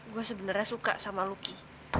gue sebenernya suka sama lucky